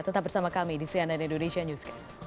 tetap bersama kami di cnn indonesia newscast